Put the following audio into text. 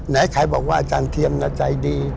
ไหนใครบอกว่าอาจารย์เทียมใจดี